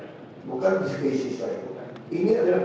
iya kemudian apa lagi